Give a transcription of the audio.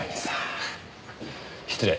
失礼。